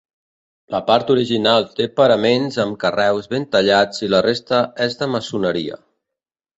La part original té paraments amb carreus ben tallats i la resta és de maçoneria.